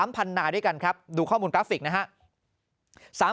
พันนายด้วยกันครับดูข้อมูลกราฟิกนะฮะ